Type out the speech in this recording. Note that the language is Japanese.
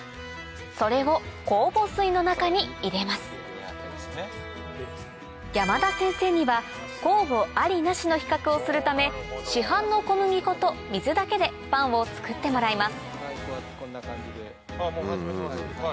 それを酵母水の中に入れます山田先生には酵母ありなしの比較をするため市販の小麦粉と水だけでパンを作ってもらいます